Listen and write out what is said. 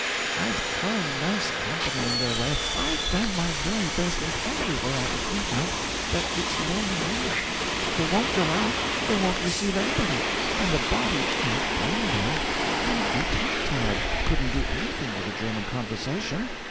I've thrown nice company in their way I've done my very best, in every way I could think of but it's no use; they won't go out, and they won't receive anybody. And a body can't blame them; they'd be tongue tied couldn't do anything with a German conversation.